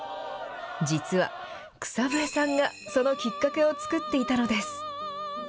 実は草笛さんがそのきっかけを作っていたのです。